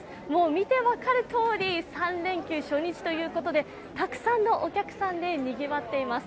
もう見て分かるとおり、３連休初日ということでたくさんのお客さんでにぎわっています。